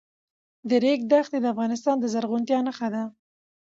د ریګ دښتې د افغانستان د زرغونتیا نښه ده.